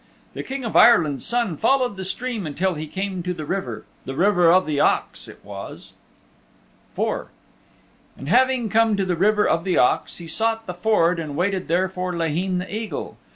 The King of Ireland's Son followed the stream until he came to the river the River of the Ox it was. IV And having come to the River of the Ox he sought the ford and waited there for Laheen the Eagle.